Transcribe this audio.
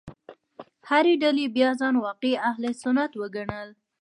هرې ډلې بیا ځان واقعي اهل سنت وګڼل.